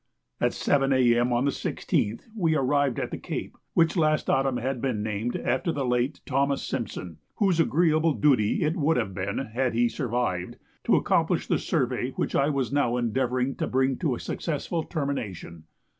At 7 A.M. on the 16th we arrived at the Cape, which last autumn had been named after the late Thomas Simpson, whose agreeable duty it would have been, had he survived, to accomplish the survey which I was now endeavouring to bring to a successful termination.